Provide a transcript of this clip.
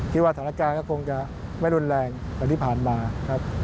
ว่าสถานการณ์ก็คงจะไม่รุนแรงเหมือนที่ผ่านมาครับ